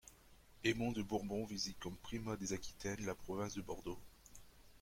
Aymon de Bourbon visite comme primat des Aquitaines la province de Bordeaux.